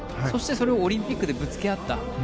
そして、それをオリンピックでぶつけ合った。